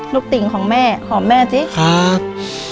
ติ่งของแม่หอมแม่สิครับ